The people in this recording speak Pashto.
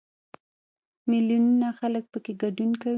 میلیونونه خلک پکې ګډون کوي.